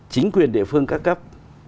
chính quyền địa phương các cấp